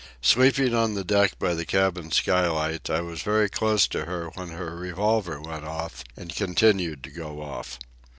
Sleeping on the deck by the cabin skylight, I was very close to her when her revolver went off, and continued to go off.